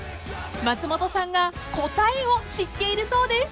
［松本さんが答えを知っているそうです］